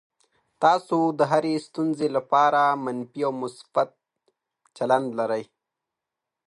تاسو د هرې ستونزې لپاره منفي او مثبت چلند لرئ.